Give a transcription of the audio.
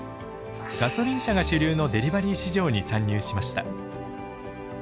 ガソリン車が主流のデリバリー市場に参入しました。